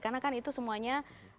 karena kan itu semuanya